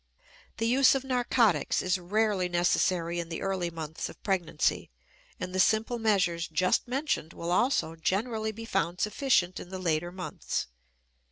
The use of narcotics is rarely necessary in the early months of pregnancy, and the simple measures just mentioned will also generally be found sufficient in the later months.